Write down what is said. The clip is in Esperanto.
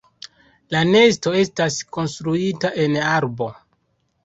La nesto estas konstruita en arbo.